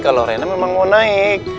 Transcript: kalau rena memang mau naik